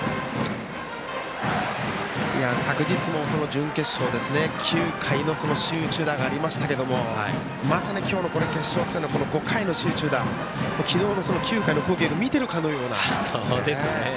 昨日も準決勝９回の集中打がありましたけどまさに今日の決勝戦の５回の集中打、昨日の９回の光景を見てるかのような。